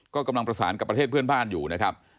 ก็กำลังประสานกับประเทศเพื่อนบ้านอยู่นะครับ